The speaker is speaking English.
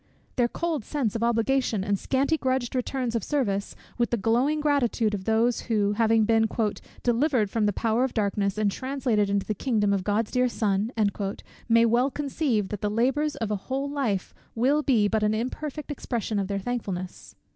Their cold sense of obligation, and scanty grudged returns of service, with the glowing gratitude of those who, having been "delivered from the power of darkness, and translated into the kingdom of God's dear Son," may well conceive that the labours of a whole life will be but an imperfect expression of their thankfulness.